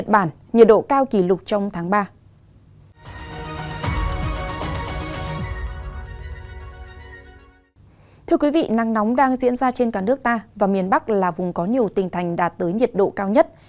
thưa quý vị nắng nóng đang diễn ra trên cả nước ta và miền bắc là vùng có nhiều tỉnh thành đạt tới nhiệt độ cao nhất